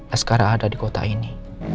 askara ada di kota ini